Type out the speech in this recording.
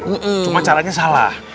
cuma caranya salah